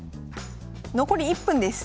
残り１分です。